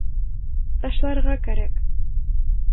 Ташларға кәрәк.